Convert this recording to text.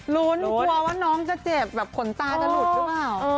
ลุ้นกลัวว่าน้องจะเจ็บแบบขนตาจะหลุดหรือเปล่า